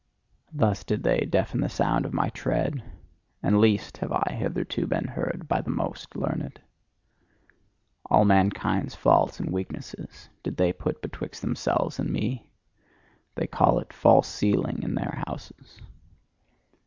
Thus did they deafen the sound of my tread: and least have I hitherto been heard by the most learned. All mankind's faults and weaknesses did they put betwixt themselves and me: they call it "false ceiling" in their houses.